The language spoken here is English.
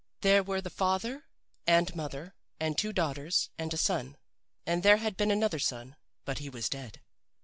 There were the father and mother and two daughters and a son. And there had been another son, but he was dead.